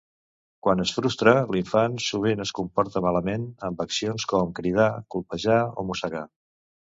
Quan es frustra, l'infant sovint es comporta malament amb accions com cridar, colpejar o mossegar.